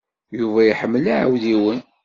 Yuba iḥemmel iɛewdiwen.